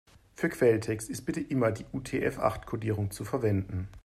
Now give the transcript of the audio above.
Für Quelltext ist bitte immer die UTF-acht-Kodierung zu verwenden.